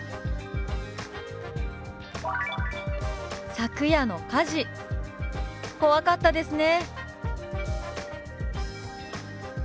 「昨夜の火事怖かったですね」。